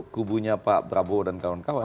kubunya pak prabowo dan kawan kawan